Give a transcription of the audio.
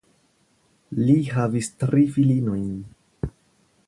Li havis tri filinojn.